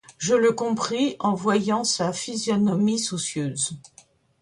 Je le compris en voyant sa physionomie soucieuse.